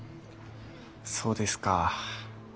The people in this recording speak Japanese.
そうですか。